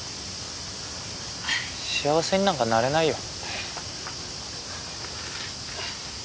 幸せになんかなれないよ。